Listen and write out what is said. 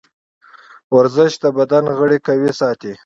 ورزش د بدن غړي قوي ساتي.